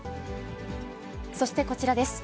そしてこちらです。